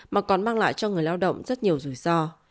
mà còn mang lại cho người lao động rất nhiều rủi ro